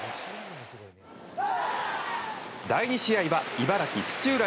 第２試合は茨城・土浦